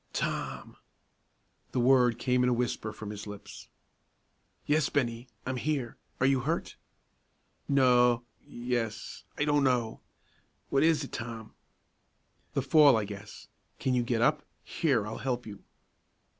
"Tom!" The word came in a whisper from his lips. "Yes, Bennie, I'm here; are you hurt?" "No yes I don't know; what was it, Tom?" "The fall, I guess. Can you get up? Here, I'll help you."